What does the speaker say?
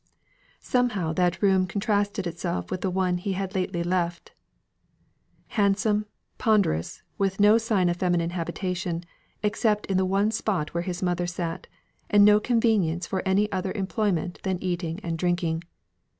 Somehow, that room contrasted itself with the one he had lately left; handsome, ponderous, with no sign of female habitation, except in the one spot where his mother sate, and no convenience for any other employment than eating and drinking.